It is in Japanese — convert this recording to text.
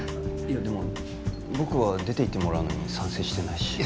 いやでも僕は出ていってもらうのに賛成してないし。